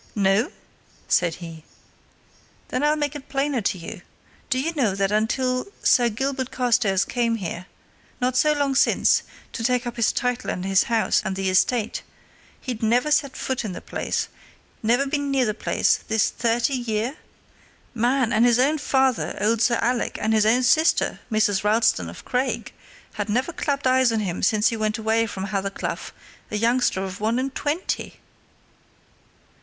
"No?" said he. "Then I'll make it plainer to you. Do you know that until yon Sir Gilbert Carstairs came here, not so long since, to take up his title and his house and the estate, he'd never set foot in the place, never been near the place, this thirty year? Man! his own father, old Sir Alec, and his own sister, Mrs. Ralston of Craig, had never clapped eyes on him since he went away from Hathercleugh a youngster of one and twenty!"